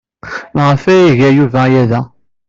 Maɣef ay iga Yuba aya da?